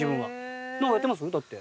何かやってます？